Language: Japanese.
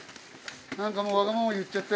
何かもうわがまま言っちゃって。